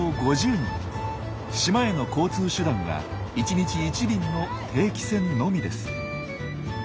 島への交通手段は１日１便の定期船のみです。